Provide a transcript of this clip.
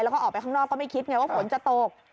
แล้วก็ออกไปข้างนอกก็ไม่คิดไงว่าฝนจะตก